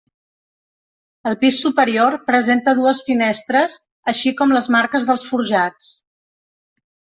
El pis superior presenta dues finestres així com les marques dels forjats.